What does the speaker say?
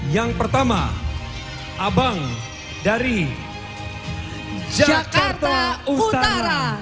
yang pertama abang dari jakarta utara